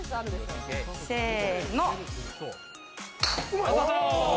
せの！